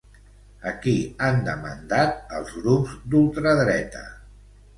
A qui han demandat els grups d'ultradreta?